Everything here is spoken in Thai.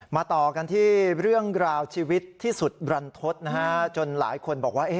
ต่อกันที่เรื่องราวชีวิตที่สุดรันทศจนหลายคนบอกว่า